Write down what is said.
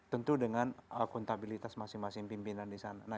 tentu dengan akuntabilitas masing masing pimpinan di sana